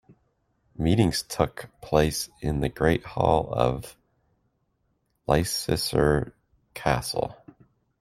Meetings took place in the great hall of Leicester Castle.